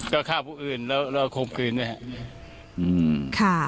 ก็ฆ่าผู้อื่นแล้วข่มขืนด้วยฮะ